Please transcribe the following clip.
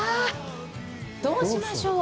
どうしましょう？